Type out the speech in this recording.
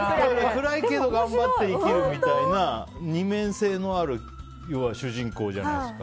暗いけど頑張って生きるみたいな二面性のある要は主人公じゃないですか。